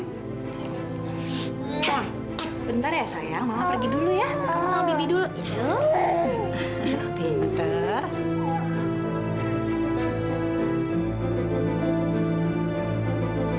tung bentar ya sayang mama pergi dulu ya kamu sama bibi dulu